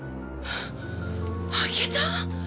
あげた！？